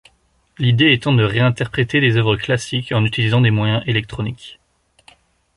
L'idée étant de réinterpréter des œuvres classiques en utilisant des moyens électroniques.